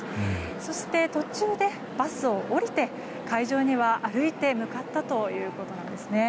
そして途中でバスを降りて会場には歩いて向かったということなんです。